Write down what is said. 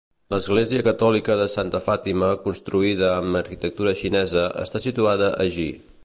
L'església catòlica de Santa Fàtima, construïda amb arquitectura xinesa, està situada a JI.